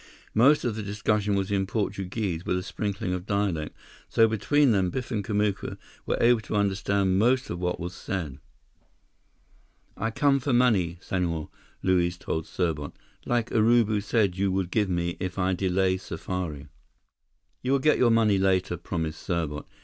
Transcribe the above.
Most of the discussion was in Portuguese, with a sprinkling of dialect, so between them Biff and Kamuka were able to understand most of what was said. "I come for money, Senhor," Luiz told Serbot. "Like Urubu said you would give me if I delay safari." "You will get your money later," promised Serbot.